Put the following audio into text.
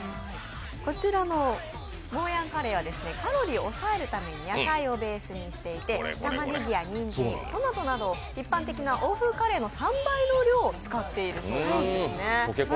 こちらのもうやんカレーはカロリーを抑えるために野菜をベースにしていて、玉ねぎやにんじん、トマトなどを一般的な欧風カレーの３倍の量を使っているそうなんです